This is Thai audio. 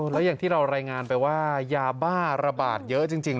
แล้วอย่างที่เรารายงานไปว่ายาบ้าระบาดเยอะจริง